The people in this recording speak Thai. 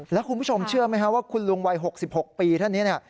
แล้วคุณผู้ชมเชื่อไหมครับว่าคุณลุงวัย๖๖ปีท่านนี้เนี่ย